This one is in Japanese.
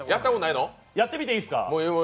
やってみていいですか。